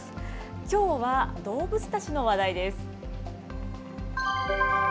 きょうは動物たちの話題です。